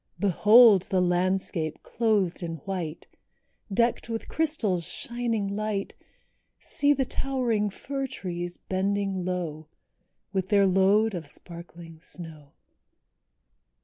Behold the landscape clothed in white, Decked with crystals' shining light; See the towering fir trees bending low, With their load of sparkling snow.